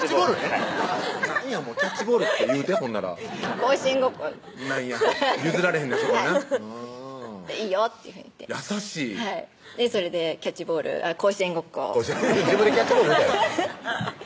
はいなんやもうキャッチボールって言うてほんなら甲子園ごっこ譲られへんねやそこはな「いいよ」っていうふうに言って優しいそれでキャッチボールあっ甲子園ごっこ自分で「キャッチボール」言うたやんフフフ